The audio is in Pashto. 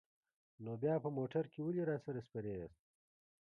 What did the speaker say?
نو بیا په موټر کې ولې راسره سپرې یاست؟